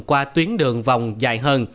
qua tuyến đường vòng dài